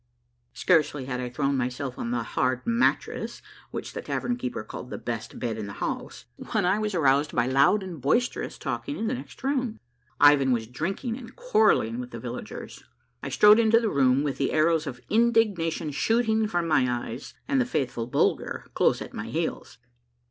Scarcely had I thrown myself on the hard mattress wliicli the tavern keeper called the best bed in the house, when I was aroused by loud and boisterous talking in the next room. Ivan was drinking and quarrelling with the villagers. I strode into the room with the arrows of indignation shooting from my eyes, and the faithful Bulger close at my heels.